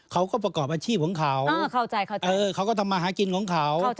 เขาก็ประกอบอาชีพของเขาเขาก็ทำมาหากินของเขา